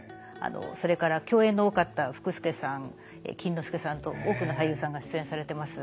それから共演の多かった福助さん錦之助さんと多くの俳優さんが出演されてます。